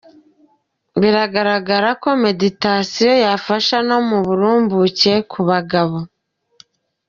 Bigaragara ko meditasiyo yafasha no mu burumbuke ku bagabo.